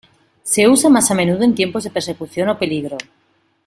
Se usa más a menudo en tiempos de persecución o peligro.